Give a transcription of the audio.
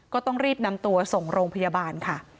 ก็ต้องรีบนำตัวส่งโรงพยาบาลค่ะ